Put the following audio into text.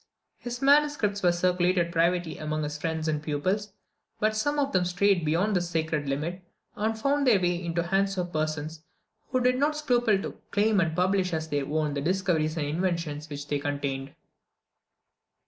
His manuscripts were circulated privately among his friends and pupils; but some of them strayed beyond this sacred limit, and found their way into the hands of persons, who did not scruple to claim and publish, as their own, the discoveries and inventions which they contained.